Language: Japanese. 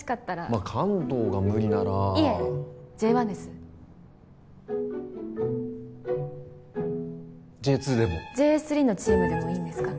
まあ関東が無理ならいえＪ１ですＪ２でもＪ３のチームでもいいんですか？